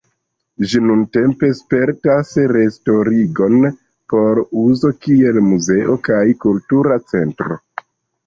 Ĝi nuntempe spertas restarigon por uzo kiel muzeo kaj kultura centro.